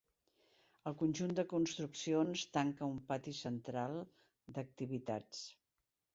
El conjunt de construccions, tanca un pati central d’activitats.